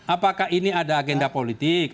apakah ini ada agenda politik